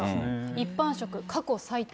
一般職、過去最低。